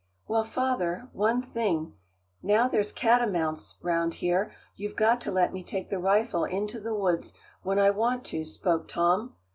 "Well, father, one thing; now there's catamounts round here, you've got to let me take the rifle into the woods when I want to," spoke Tom.